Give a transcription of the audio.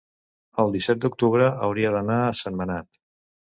el disset d'octubre hauria d'anar a Sentmenat.